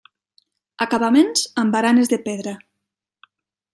Acabaments amb baranes de pedra.